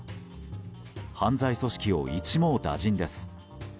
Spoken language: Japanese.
犯罪組織を一網打尽です。